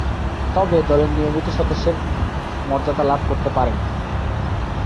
তবে, দলের নিয়মিত সদস্যের মর্যাদা লাভ করতে পারেননি।